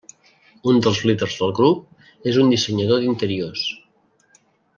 Un dels líders del grup és un dissenyador d'interiors.